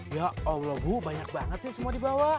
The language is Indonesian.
ya allah bu banyak banget sih semua dibawa